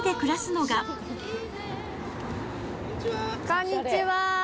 こんにちは。